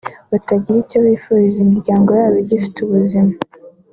batagira icyo bifuriza imiryango yabo igifite ubuzima